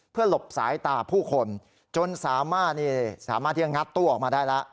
เพื่อหลบสายตาผู้คนจนสามารถที่จะงัดตู้ออกมาได้แล้ว